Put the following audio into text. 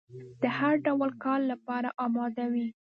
د هر ډول کار لپاره اماده وي.